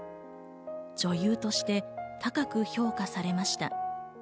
女優として高く評価されました。